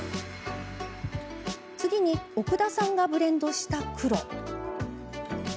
次に奥田さんがブレンドした黒。